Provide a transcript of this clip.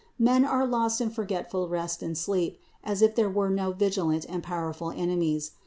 Men are lost in forgetful rest and sleep, as if there were no vigilant and powerful enemies.